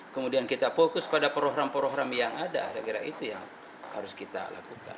kemudian kita fokus pada program program yang ada saya kira itu yang harus kita lakukan